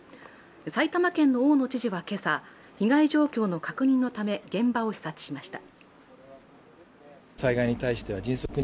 埼玉県の大野知事は今朝被害状況の確認のため、現場を視察しました。